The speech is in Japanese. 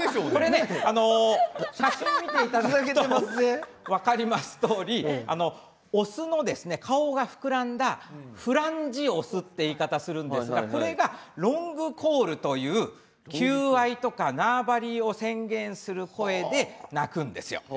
写真を見ていただくと分かりますようにオスの顔が膨らんだフランジオスというという言い方をするんですがこれはロングコールという求愛とか縄張りを宣言する声で鳴くんですよ。